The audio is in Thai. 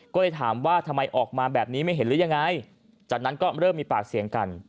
ก็เลยถามว่าทำไมออกมาแบบนี้ไม่เห็นหรือยังไงจากนั้นก็เริ่มมีปากเสียงกัน